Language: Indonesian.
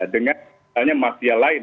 dengan maksimalnya mafia lain